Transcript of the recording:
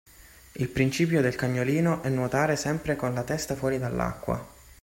Il principio del cagnolino è nuotare sempre con la testa fuori dall’acqua